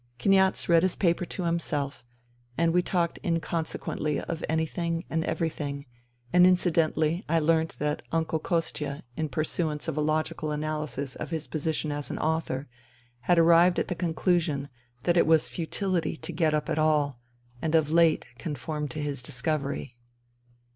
Kniaz read his paper to himself, and we talked inconsequently of anything and everything, and incidentally I learnt that Uncle Kostia, in pursuance of a logical analysis of his position as an author, had arrived at the conclusion that it was futility to get 252 FUTILITY up at all, and of late conformed to his discovery.